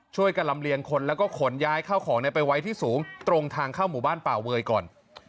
ช่วยกันลำเลียงคนแล้วก็ขนย้ายเข้าของไปไว้ที่สูงตรงทางเข้าหมู่บ้านป่าเวยก่อน